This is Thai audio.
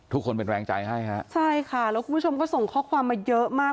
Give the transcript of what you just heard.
คนเป็นแรงใจให้ฮะใช่ค่ะแล้วคุณผู้ชมก็ส่งข้อความมาเยอะมาก